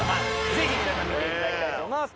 是非皆さん見ていただきたいと思います。